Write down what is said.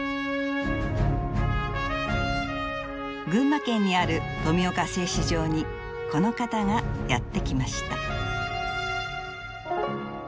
群馬県にある富岡製糸場にこの方がやって来ました。